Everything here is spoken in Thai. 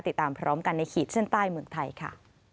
ติดตามพร้อมกันในขีดเส้นใต้เมืองไทยค่ะ